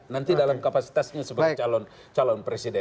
nanti dalam kapasitasnya sebagai calon presiden